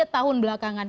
tiga tahun belakangan